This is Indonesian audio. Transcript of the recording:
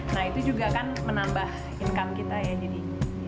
nah itu juga kan menambah income kita ya jadi